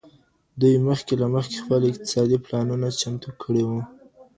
دوی مخکي له مخکي خپل اقتصادي پلانونه چمتو کړي وو.